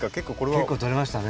でも結構とれましたね。